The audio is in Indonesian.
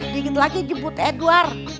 digit lagi jemput edward